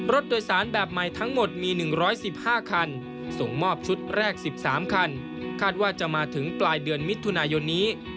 รถโดยสารแบบใหม่ทั้งหมดมี๑๑๕คันส่งมอบชุดแรก๑๓คันคาดว่าจะมาถึงปลายเดือนมิถุนายนนี้